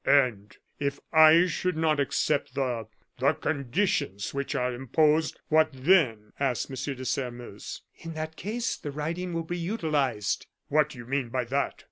"And if I should not accept the the conditions which are imposed, what then?" asked M. de Sairmeuse. "In that case the writing will be utilized." "What do you mean by that?"